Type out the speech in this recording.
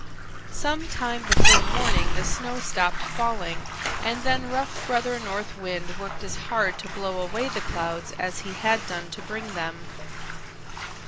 Some time before morning the snow stopped falling and then rough Brother North Wind worked as hard to blow away the clouds as he had done to bring them.